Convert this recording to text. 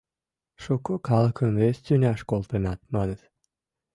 — Шуко калыкым вес тӱняш колтенат, маныт.